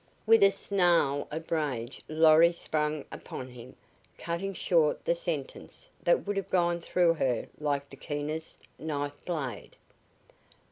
With a snarl of rage Lorry sprang upon him, cutting short the sentence that would have gone through her like the keenest knife blade.